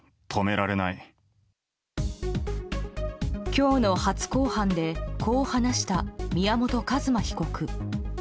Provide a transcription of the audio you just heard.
今日の初公判でこう話した宮本一馬被告。